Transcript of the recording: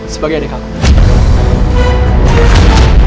sebagai adik aku